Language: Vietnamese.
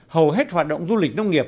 hầu hết hoạt động du lịch nông nghiệp